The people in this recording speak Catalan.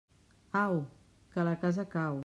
Au, que la casa cau.